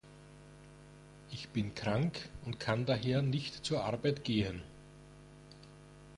Ich bin krank und kann daher nicht zur Arbeit gehen.